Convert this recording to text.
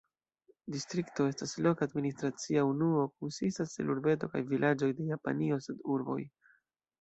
Distrikto estas loka administracia unuo konsistas el urbetoj kaj vilaĝoj de Japanio sed urboj.